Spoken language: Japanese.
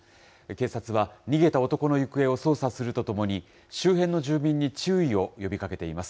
警察は、逃げた男の行方を捜査するとともに、周辺の住民に注意を呼びかけています。